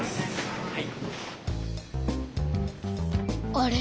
あれ？